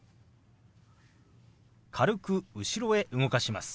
軽く後ろへ動かします。